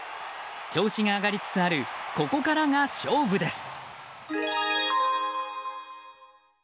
調子が上がりつつあるここからが勝負です！